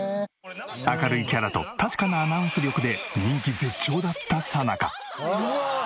明るいキャラと確かなアナウンス力で人気絶頂だったさなか。